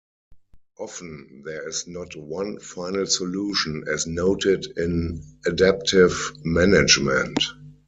Often, there is not one final solution, as noted in adaptive management.